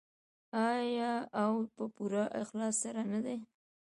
آیا او په پوره اخلاص سره نه دی؟